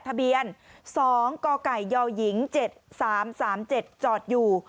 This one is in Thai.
ทะเบียน๒กย๗๓๓๗จอดอยู่